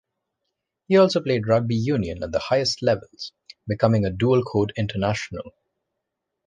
He also played rugby union at the highest levels, becoming a dual-code international.